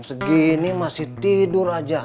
segini masih tidur aja